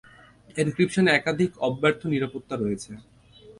এনক্রিপশনে একাধিক অব্যর্থ-নিরাপত্তা রয়েছে।